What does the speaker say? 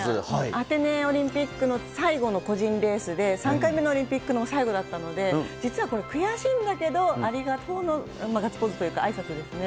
アテネオリンピックの最後の個人レースで、３回目のオリンピックの最後だったので、実はこれ、悔しいんだけど、ありがとうのガッツポーズというか、あいさつですね。